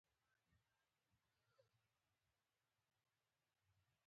ایا د نبات او حیوان حجره یو ډول ده